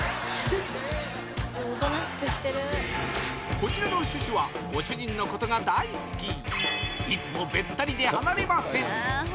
こちらのシュシュはご主人のことが大好きいつもべったりで離れません